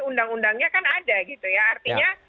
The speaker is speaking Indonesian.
undang undangnya kan ada gitu ya artinya